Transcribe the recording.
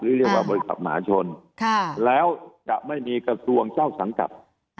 เรียกว่าบริษัทมหาชนแล้วจะไม่มีกระทรวงเจ้าสังกัด